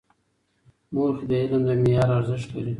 موخې د علم د معیار ارزښت لري.